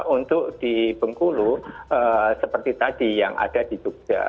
untuk di bengkulu seperti tadi yang ada di jogja